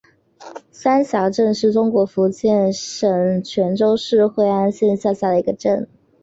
山霞镇是中国福建省泉州市惠安县下辖的一个镇。